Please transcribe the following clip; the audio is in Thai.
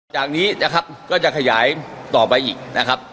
จากนี้นะครับก็จะขยายต่อไปอีกนะครับ